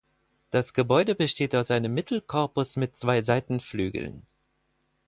Das Gebäude besteht aus einem Mittelkorpus mit zwei Seitenflügeln.